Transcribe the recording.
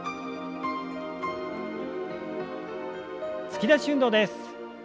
突き出し運動です。